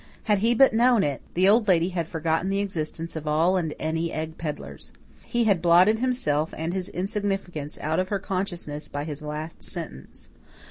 Had he but known it, the Old Lady had forgotten the existence of all and any egg pedlars. He had blotted himself and his insignificance out of her consciousness by his last sentence.